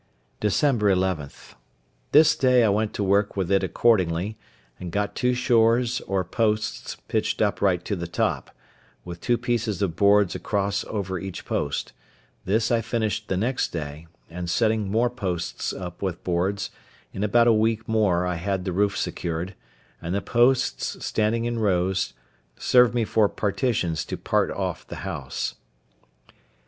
Dec. 11.—This day I went to work with it accordingly, and got two shores or posts pitched upright to the top, with two pieces of boards across over each post; this I finished the next day; and setting more posts up with boards, in about a week more I had the roof secured, and the posts, standing in rows, served me for partitions to part off the house.